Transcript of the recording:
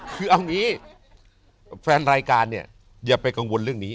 คือเอางี้แฟนรายการเนี่ยอย่าไปกังวลเรื่องนี้